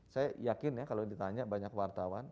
saya yakin ya kalau ditanya banyak wartawan